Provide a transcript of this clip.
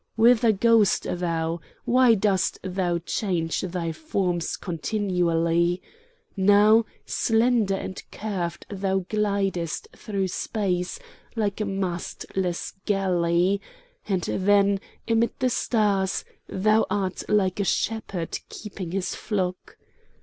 "Whither goest thou? Why dost thou change thy forms continually? Now, slender and curved thou glidest through space like a mastless galley; and then, amid the stars, thou art like a shepherd keeping his flock.